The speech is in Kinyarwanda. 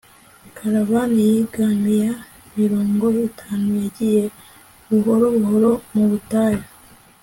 caravan yingamiya mirongo itanu yagiye buhoro buhoro mu butayu